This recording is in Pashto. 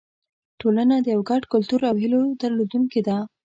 ټولنه د یو ګډ کلتور او هیلو درلودونکې ده.